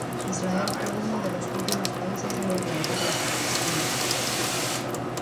Israel fue uno de los últimos países en implantar la televisión en color.